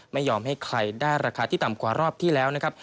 ไม่ยอมให้ใครได้ราคาที่ต่ำกว่ารอบที่แล้วนะครับ